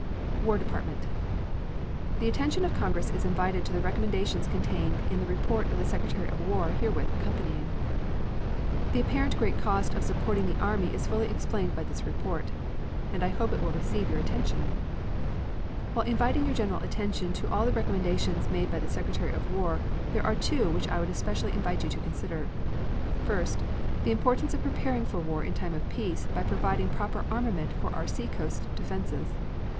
WAR DEPARTMENT. The attention of Congress is invited to the recommendations contained in the report of the Secretary of War herewith accompanying. The apparent great cost of supporting the Army is fully explained by this report, and I hope will receive your attention. While inviting your general attention to all the recommendations made by the Secretary of War, there are two which I would especially invite you to consider: First, the importance of preparing for war in time of peace by providing proper armament for our seacoast defenses.